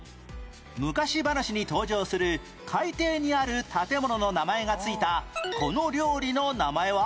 昔話に登場する海底にある建物の名前が付いたこの料理の名前は？